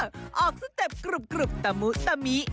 โอ้เฮ้อออกสเต็ปกรุบตะมุตะมี